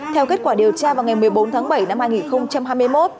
theo kết quả điều tra vào ngày một mươi bốn tháng bảy năm hai nghìn hai mươi một